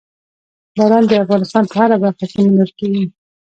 باران د افغانستان په هره برخه کې موندل کېږي.